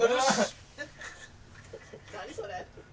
何それ？